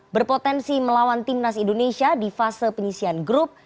berpotensi melawan timnas indonesia di fase penyisian grup